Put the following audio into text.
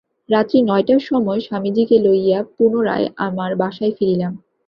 রাত্রি নয়টার সময় স্বামীজীকে লইয়া পুনরায় আমার বাসায় ফিরিলাম।